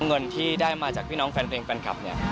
เงินที่ได้มาจากพี่น้องแฟนเพลงแฟนคลับเนี่ย